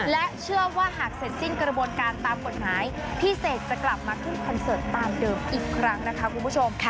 และเชื่อว่าหากเสร็จสิ้นกระบวนการตามกฎหมายพี่เสกจะกลับมาขึ้นคอนเสิร์ตตามเดิมอีกครั้งนะคะคุณผู้ชม